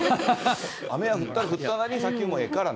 雨が降ったら降ったなりにね、砂丘もええからね。